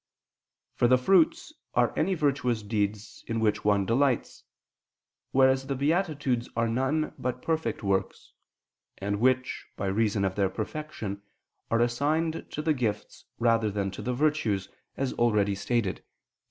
For the fruits are any virtuous deeds in which one delights: whereas the beatitudes are none but perfect works, and which, by reason of their perfection, are assigned to the gifts rather than to the virtues, as already stated (Q.